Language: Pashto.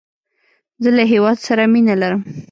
زه له هیواد سره مینه لرم